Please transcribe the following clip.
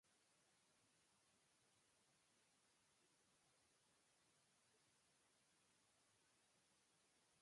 祝宴は、夜に入っていよいよ乱れ華やかになり、人々は、外の豪雨を全く気にしなくなった。メロスは、一生このままここにいたい、と思った。